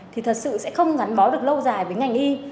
thì thật sự sẽ không gắn bó được lâu dài với ngành y